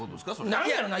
何やろな。